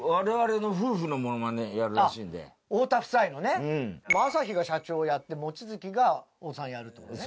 あっ太田夫妻のねあさひが社長やって望月が太田さんやるってことね